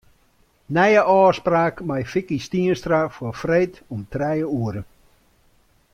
Nije ôfspraak mei Vicky Stienstra foar freed om trije oere.